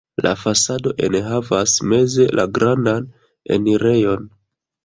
La fasado enhavas meze la grandan enirejon.